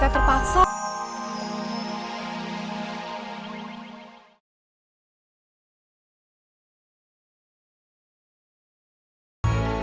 jangan siapa aja nggak mau jawab